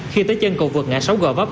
khi tới chân cầu vực ngã sáu gò vấp